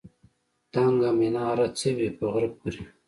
دنګه مناره څه وي په غره پورې.